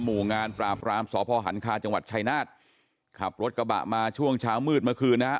หมู่งานปราบรามสพหันคาจังหวัดชายนาฏขับรถกระบะมาช่วงเช้ามืดเมื่อคืนนะฮะ